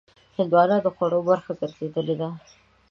هندوانه د خوړو برخه ګرځېدلې ده.